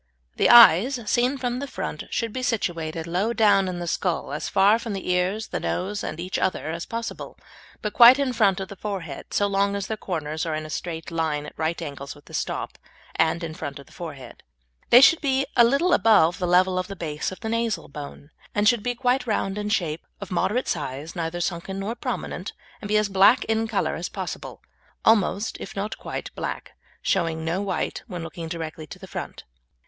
The eyes, seen from the front, should be situated low down in the skull, as far from the ears, the nose, and each other as possible, but quite in front of the forehead, so long as their corners are in a straight line at right angles with the stop, and in front of the forehead. They should be a little above the level of the base of the nasal bone, and should be quite round in shape, of moderate size, neither sunken nor prominent, and be as black in colour as possible almost, if not quite, black, showing no white when looking directly to the front.